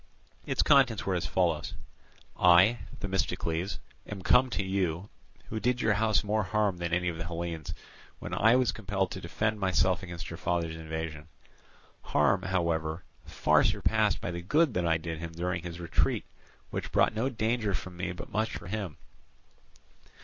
Its contents were as follows: "I, Themistocles, am come to you, who did your house more harm than any of the Hellenes, when I was compelled to defend myself against your father's invasion—harm, however, far surpassed by the good that I did him during his retreat, which brought no danger for me but much for him.